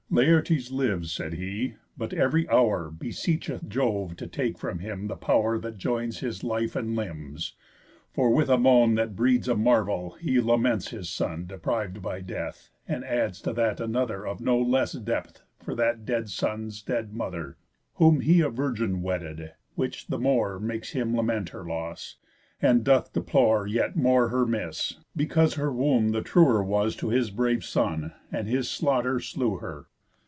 "Laertes lives," said he, "but ev'ry hour Beseecheth Jove to take from him the pow'r That joins his life and limbs; for with a moan That breeds a marvel he laments his son Depriv'd by death, and adds to that another Of no less depth for that dead son's dead mother, Whom he a virgin wedded, which the more Makes him lament her loss, and doth deplore Yet more her miss, because her womb the truer Was to his brave son, and his slaughter slew her.